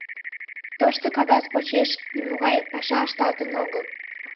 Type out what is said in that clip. Толшо кагаз почеш нимогай паша ышталтын огыл.